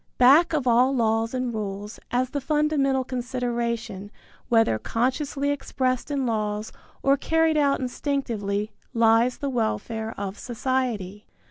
Back of all laws and rules, as the fundamental consideration, whether consciously expressed in laws or carried out instinctively, lies the welfare of society.